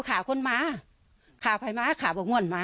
ภรรยาก็บอกว่านายเทวีอ้างว่าไม่จริงนายทองม่วนขโมย